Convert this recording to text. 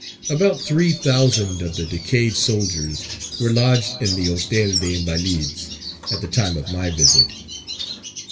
About three thousand of the decayed soldiers were lodged in the Hotel des Invalids, at the time of my visit.